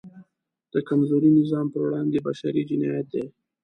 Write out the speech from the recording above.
د کمزوري نظام پر وړاندې بشری جنایت دی.